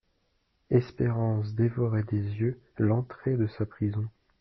Espérance dévorait des yeux l'entrée de sa prison.